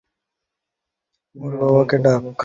ওর বাবাকে ডাক।